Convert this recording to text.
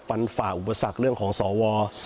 ฝ่าอุปสรรคเรื่องของสว